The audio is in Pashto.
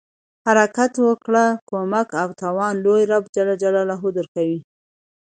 د حرکت وکړه، کومک او توان لوی رب ج درکوي.